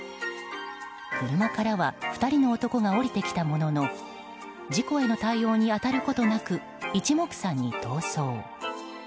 車からは２人の男が降りてきたものの事故への対応に当たることなく一目散に逃走。